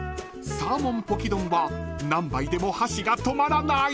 ［サーモンポキ丼は何杯でも箸が止まらない］